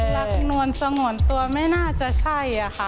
นวลสงวนตัวไม่น่าจะใช่ค่ะ